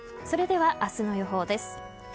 それでは明日の予報です。